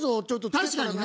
確かにね！